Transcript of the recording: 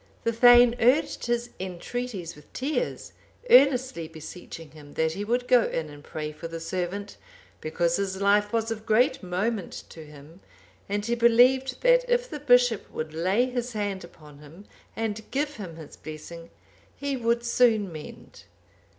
The thegn urged his entreaties with tears, earnestly beseeching him that he would go in and pray for the servant, because his life was of great moment to him; and he believed that if the bishop would lay his hand upon him and give him his blessing, he would soon mend.